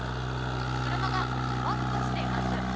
車がバックしています。